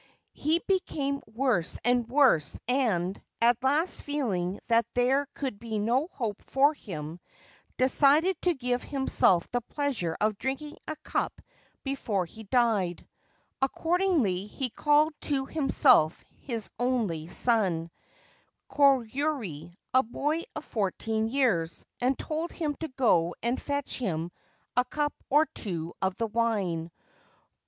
He became worse and worse, and, at last feeling that there could be no hope for him, decided to give himself the pleasure of drinking a cup before he died. Accordingly he called to himself his only son, 239 Ancient Tales and Folklore of Japan Koyuri, a boy of fourteen years, and told him to go and fetch him a cup or two of the wine.